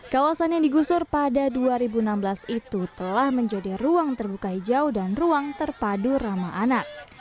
kawasan yang digusur pada dua ribu enam belas itu telah menjadi ruang terbuka hijau dan ruang terpadu ramah anak